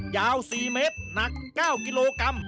ยาว๔เมตรหนัก๙กิโลกรัม